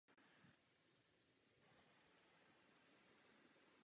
Další takové setkání mě čeká zítra dopoledne.